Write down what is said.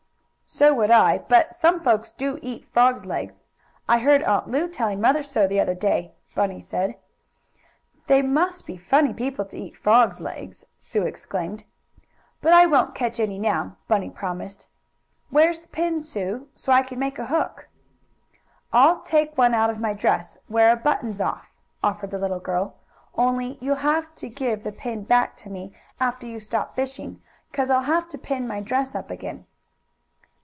"So would I. But some folks do eat frogs legs. I heard Aunt Lu telling mother so the other day." "They must be funny people to eat frogs' legs," Sue exclaimed. "But I won't catch any now," Bunny promised. "Where's the pin, Sue? So I can make a hook." "I'll take one out of my dress where a button's off," offered the little girl. "Only you'll have to give the pin back to me after you stop fishing, 'cause I'll have to pin my dress up again."